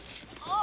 あ？